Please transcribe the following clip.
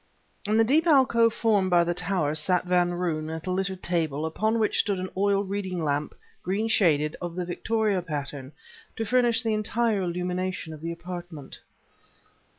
In the deep alcove formed by the tower sat Van Roon at a littered table, upon which stood an oil reading lamp, green shaded, of the "Victoria" pattern, to furnish the entire illumination of the apartment.